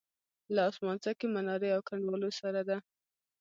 له اسمانڅکې منارې او کنډوالو سره ده.